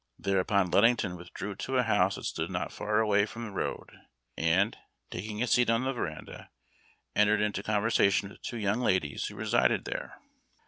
Thereupon Luding ton withdrew to a house that stood not far away from the road, and, taking a seat on the veranda, entered into con versation with two young ladies who resided there.